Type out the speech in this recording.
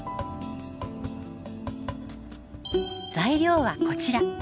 材料はこちら。